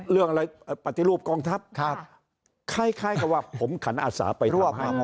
เรื่องอะไรปฏิรูปกองทัพคล้ายกับว่าผมขันอาสาไปร่วม